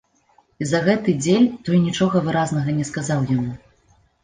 І за гэты дзель той нічога выразнага не сказаў яму.